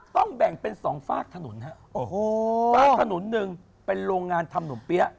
ต้องแบ่งเป็นสองฟาดถนนครับฟาดถนนหนึ่งเป็นโรงงานทำหนมเปี๊ยะ